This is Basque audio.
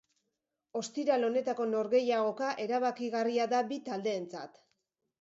Ostiral honetako norgehiagoka erabakigarria da bi taldeentzat.